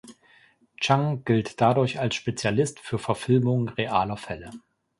Chung gilt dadurch als Spezialist für Verfilmung realer Fälle.